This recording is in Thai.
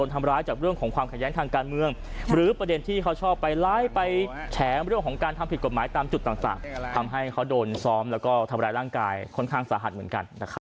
ทำร้ายร่างกายค่อนข้างสาหัสเหมือนกันนะครับ